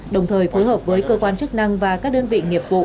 đồng thời phối hợp với cơ quan chức năng và các đơn vị nghiệp vụ